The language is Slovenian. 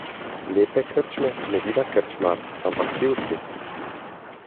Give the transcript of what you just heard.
Lepe krčme ne zida krčmar, ampak pivci.